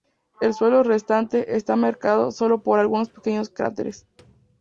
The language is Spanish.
El suelo restante está marcado solo por algunos pequeños cráteres.